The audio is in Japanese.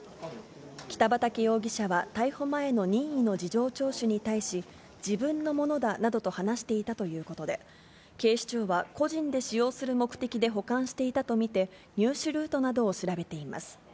北畠容疑者は逮捕前の任意の事情聴取に対し、自分のものだなどと話していたということで、警視庁は個人で使用する目的で保管していたとみて、入手ルートなどを調べています。